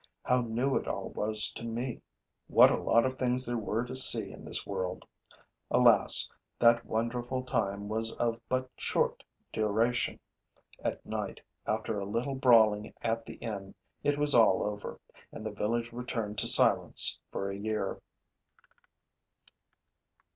How new it all was to me! What a lot of things there were to see in this world! Alas, that wonderful time was of but short duration! At night, after a little brawling at the inn, it was all over; and the village returned to silence for a year.